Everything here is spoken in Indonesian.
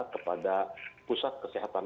kepada pusat kesehatan